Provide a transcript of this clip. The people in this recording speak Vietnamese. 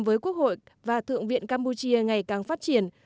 với quốc hội và thượng viện campuchia ngày càng phát triển